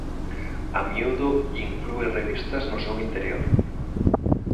A miúdo inclúe revistas no seu interior.